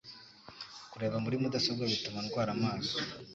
kureba muri mudasobwa bituma rwara amaso